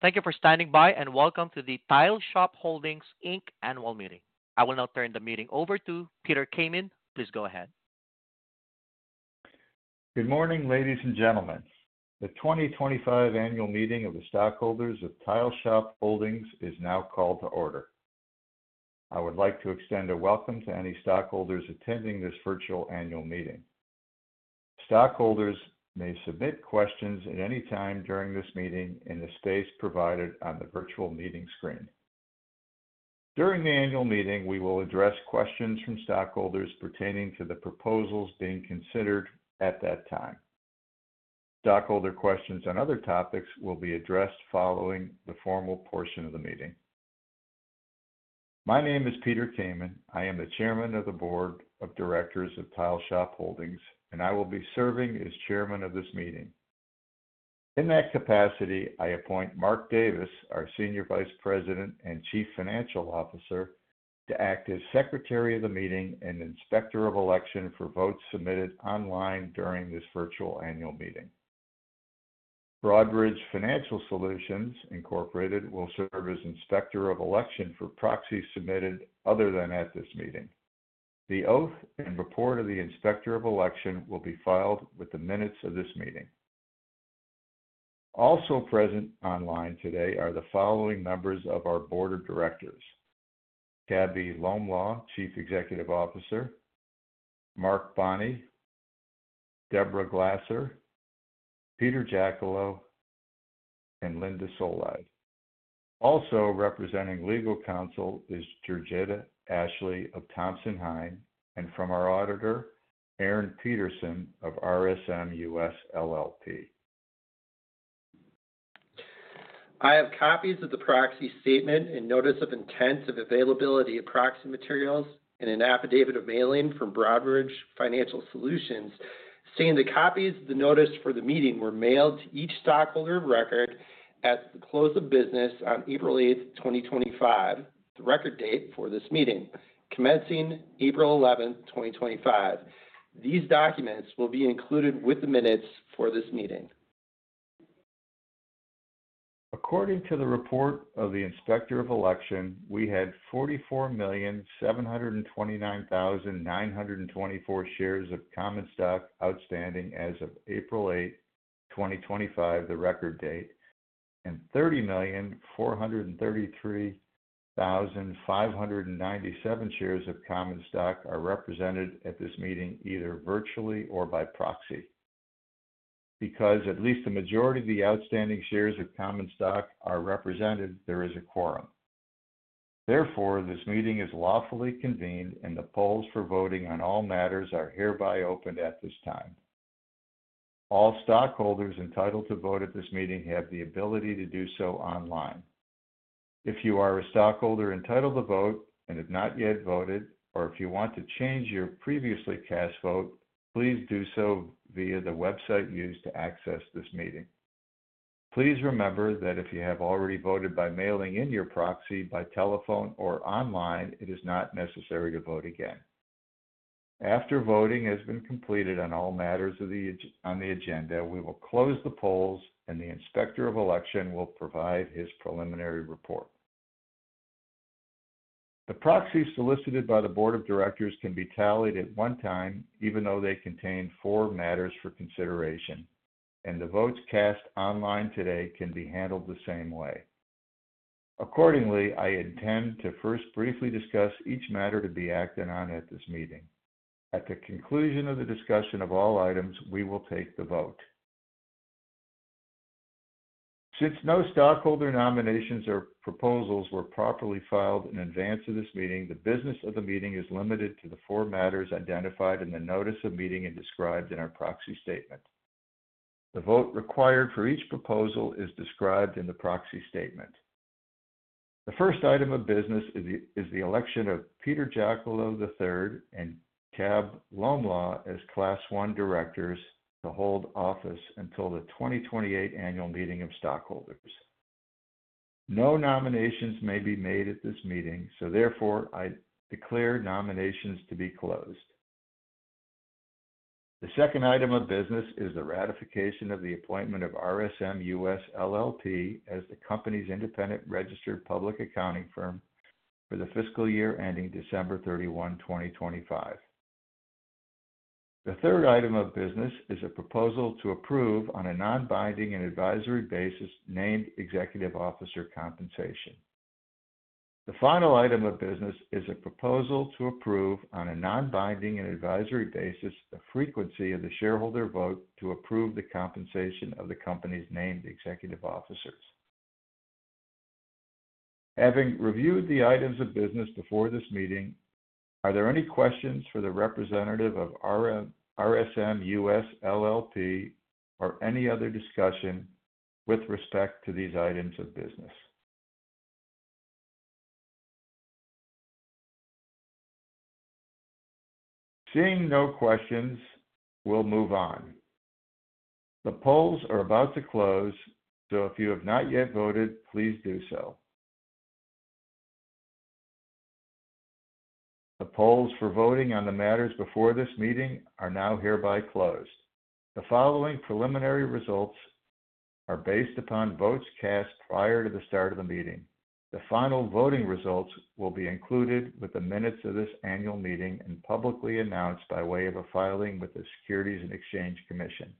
Thank you for standing by, and welcome to the Tile Shop Holdings Inc annual meeting. I will now turn the meeting over to Peter Kamin. Please go ahead. Good morning, ladies and gentlemen. The 2025 annual meeting of the stockholders of Tile Shop Holdings is now called to order. I would like to extend a welcome to any stockholders attending this virtual annual meeting. Stockholders may submit questions at any time during this meeting in the space provided on the virtual meeting screen. During the annual meeting, we will address questions from stockholders pertaining to the proposals being considered at that time. Stockholder questions on other topics will be addressed following the formal portion of the meeting. My name is Peter Kamin. I am the Chairman of the Board of Directors of Tile Shop Holdings, and I will be serving as Chairman of this meeting. In that capacity, I appoint Mark Davis, our Senior Vice President and Chief Financial Officer, to act as Secretary of the Meeting and Inspector of Election for votes submitted online during this virtual annual meeting. Broadridge Financial Solutions Incorporated will serve as Inspector of Election for proxies submitted other than at this meeting. The oath and report of the Inspector of Election will be filed with the minutes of this meeting. Also present online today are the following members of our Board of Directors: Cabell Lolmaugh, Chief Executive Officer; Mark Bonney; Deborah Glasser; Peter Jacullo III; and Linda Solheid. Also representing legal counsel is Jurgita Ashley of Thompson Hine, and from our auditor, Erin Peterson of RSM US LLP. I have copies of the proxy statement and notice of intent of availability of proxy materials, and an affidavit of mailing from Broadridge Financial Solutions stating the copies of the notice for the meeting were mailed to each stockholder of record at the close of business on April 8, 2025, the record date for this meeting commencing April 11, 2025. These documents will be included with the minutes for this meeting. According to the report of the Inspector of Election, we had 44,729,924 shares of common stock outstanding as of April 8, 2025, the record date, and 30,433,597 shares of common stock are represented at this meeting either virtually or by proxy. Because at least the majority of the outstanding shares of common stock are represented, there is a quorum. Therefore, this meeting is lawfully convened, and the polls for voting on all matters are hereby opened at this time. All stockholders entitled to vote at this meeting have the ability to do so online. If you are a stockholder entitled to vote and have not yet voted, or if you want to change your previously cast vote, please do so via the website used to access this meeting. Please remember that if you have already voted by mailing in your proxy by telephone or online, it is not necessary to vote again. After voting has been completed on all matters on the agenda, we will close the polls, and the Inspector of Election will provide his preliminary report. The proxies solicited by the Board of Directors can be tallied at one time, even though they contain four matters for consideration, and the votes cast online today can be handled the same way. Accordingly, I intend to first briefly discuss each matter to be acted on at this meeting. At the conclusion of the discussion of all items, we will take the vote. Since no stockholder nominations or proposals were properly filed in advance of this meeting, the business of the meeting is limited to the four matters identified in the notice of meeting and described in our proxy statement. The vote required for each proposal is described in the proxy statement. The first item of business is the election of Peter Jacullo III and Cabell Lolmaugh as Class 1 Directors to hold office until the 2028 annual meeting of stockholders. No nominations may be made at this meeting, so therefore I declare nominations to be closed. The second item of business is the ratification of the appointment of RSM US LLP as the company's independent registered public accounting firm for the fiscal year ending December 31, 2025. The third item of business is a proposal to approve on a non-binding and advisory basis named executive officer compensation. The final item of business is a proposal to approve on a non-binding and advisory basis the frequency of the shareholder vote to approve the compensation of the company's named executive officers. Having reviewed the items of business before this meeting, are there any questions for the representative of RSM US LLP or any other discussion with respect to these items of business? Seeing no questions, we'll move on. The polls are about to close, so if you have not yet voted, please do so. The polls for voting on the matters before this meeting are now hereby closed. The following preliminary results are based upon votes cast prior to the start of the meeting. The final voting results will be included with the minutes of this annual meeting and publicly announced by way of a filing with the Securities and Exchange Commission.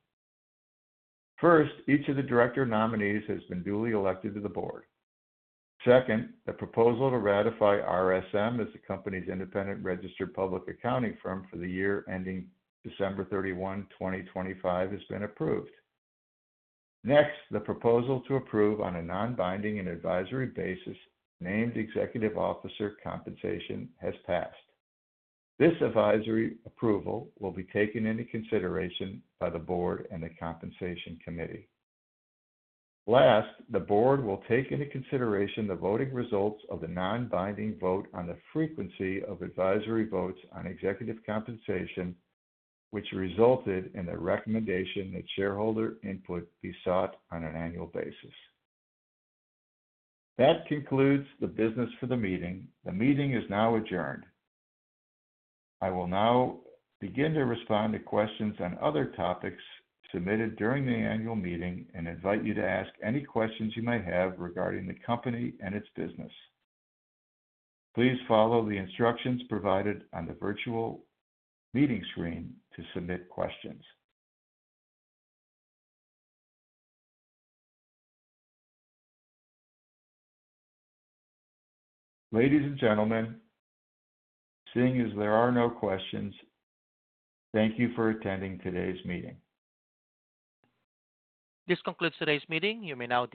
First, each of the director nominees has been duly elected to the board. Second, the proposal to ratify RSM as the company's independent registered public accounting firm for the year ending December 31, 2025, has been approved. Next, the proposal to approve on a non-binding and advisory basis named executive officer compensation has passed. This advisory approval will be taken into consideration by the board and the compensation committee. Last, the board will take into consideration the voting results of the non-binding vote on the frequency of advisory votes on executive compensation, which resulted in the recommendation that shareholder input be sought on an annual basis. That concludes the business for the meeting. The meeting is now adjourned. I will now begin to respond to questions on other topics submitted during the annual meeting and invite you to ask any questions you may have regarding the company and its business. Please follow the instructions provided on the virtual meeting screen to submit questions. Ladies and gentlemen, seeing as there are no questions, thank you for attending today's meeting. This concludes today's meeting. You may now.